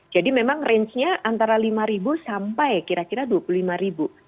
jadi memang rangenya antara rp lima sampai kira kira rp dua puluh lima